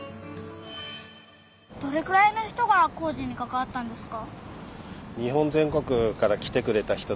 どれくらいの人が工事にかかわったんですか？